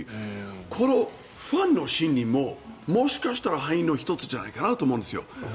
このファンの心理ももしかしたら敗因の１つかなと思うんですよ。